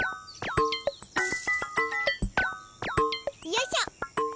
よいしょ！